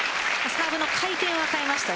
サーブの回転は変えました。